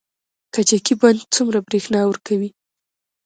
کجکي بند څومره بریښنا ورکوي؟